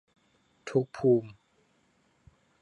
ทุกภูมิ